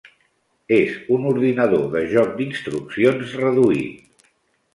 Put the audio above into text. És un ordinador de joc d'instruccions reduït.